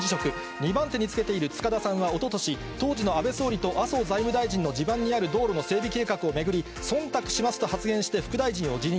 ２番手につけている塚田さんはおととし、当時の安倍総理と麻生財務大臣の地盤にある道路の整備計画を巡り、そんたくしますと発言して、副大臣を辞任。